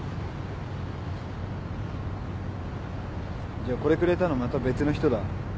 じゃこれくれたのまた別の人だ。